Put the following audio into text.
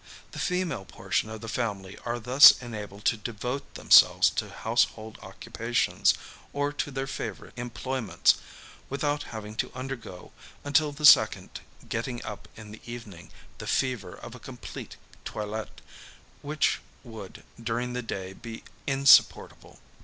The female portion of the family are thus enabled to devote themselves to household occupations, or to their favourite employments, without having to undergo, until the second getting up in the evening, the fever of a complete toilette, which would, during the day, be insupportable.